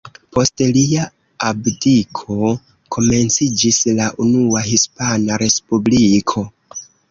Post lia abdiko, komenciĝis la Unua Hispana Respubliko.